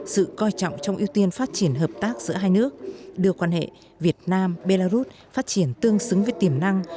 sự coi trọng trong ưu tiên phát triển hợp tác giữa hai nước đưa quan hệ việt nam belarus phát triển tương xứng với tiềm năng